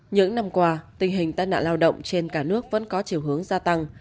những năm qua tình hình tai nạn lao động trên cả nước vẫn có chiều hướng gia tăng